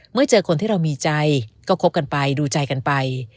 เมื่อเจอคนที่เรามีใจก็คบกันไปดูใจกันไป